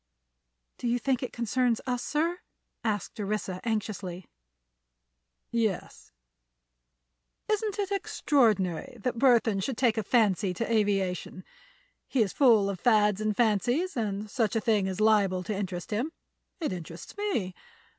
"Do you think it concerns us, sir?" asked Orissa, anxiously. "Yes. It isn't extraordinary that Burthon should take a fancy to aviation. He is full of fads and fancies, and such a thing is liable to interest him. It interests me.